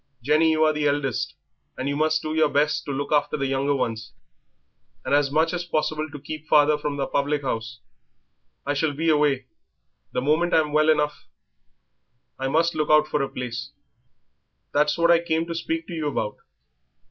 Jenny, you are the eldest and must do your best to look after the younger ones, and as much as possible to keep father from the public house. I shall be away; the moment I'm well enough I must look out for a place." "That's just what I came to speak to you about.